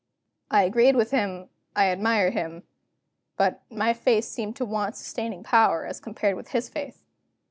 I agreed with him, I admired him; but my faith seemed to want sustaining power, as compared with his faith.